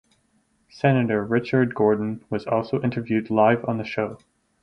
Senator Richard Gordon was also interviewed live on the show.